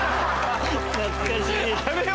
懐かしい。